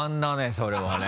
それはね。